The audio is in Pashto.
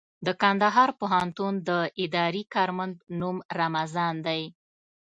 د کندهار پوهنتون د اداري کارمند نوم رمضان دئ.